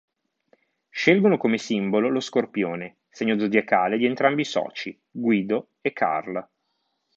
Scelgono come simbolo lo scorpione, segno zodiacale di entrambi i soci, Guido e Karl.